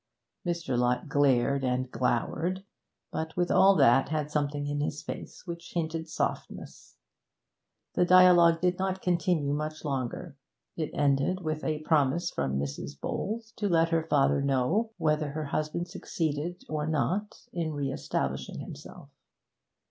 Mr. Lott glared and glowered, but, with all that, had something in his face which hinted softness. The dialogue did not continue much longer; it ended with a promise from Mrs. Bowles to let her father know whether her husband succeeded or not in re establishing himself.